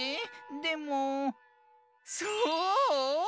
でもそう？